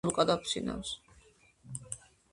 ლუკა დაფრინავს